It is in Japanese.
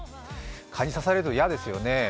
蚊に刺されると嫌ですよね